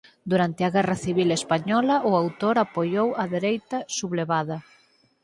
Durante a guerra civil española o autor apoiou a dereita sublevada.